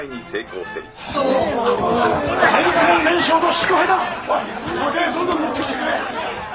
酒どんどん持ってきてくれ！